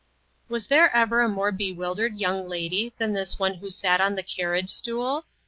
Was there ever a more bewildered young lady than this one who sat on the carriage stool?